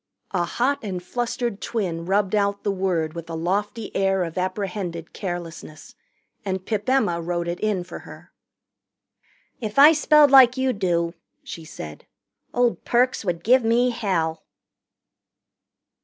A hot and flustered twin rubbed out the word with a lofty air of apprehended carelessness, and Pip Emma wrote it in for her. "If I spelled like you do," she said, "old Perks would give me hell."